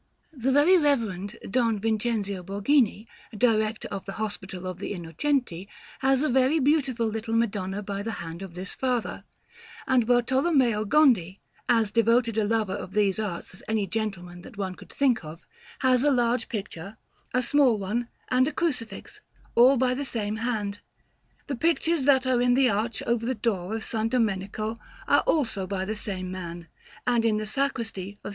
The Very Reverend Don Vincenzio Borghini, Director of the Hospital of the Innocenti, has a very beautiful little Madonna by the hand of this father; and Bartolommeo Gondi, as devoted a lover of these arts as any gentleman that one could think of, has a large picture, a small one, and a Crucifix, all by the same hand. The pictures that are in the arch over the door of S. Domenico are also by the same man; and in the Sacristy of S.